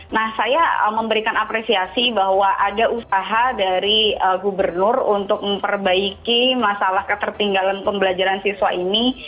nah saya memberikan apresiasi bahwa ada usaha dari gubernur untuk memperbaiki masalah ketertinggalan pembelajaran siswa ini